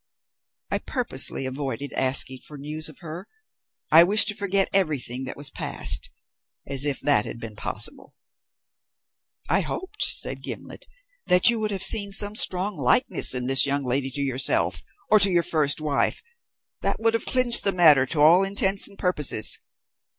I purposely avoided asking for news of her. I wished to forget everything that was past. As if that had been possible!" "I hoped," said Gimblet, "that you would have seen some strong likeness in this young lady to yourself, or to your first wife. That would have clinched the matter to all intents and purposes.